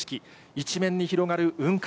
一面に広がる雲海。